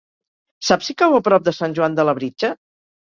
Saps si cau a prop de Sant Joan de Labritja?